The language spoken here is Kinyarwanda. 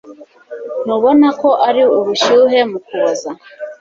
Ntubona ko ari ubushyuhe mu Kuboza